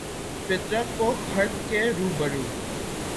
فطرت کو خرد کے روبرو